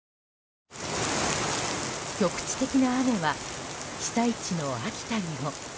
局地的な雨は被災地の秋田にも。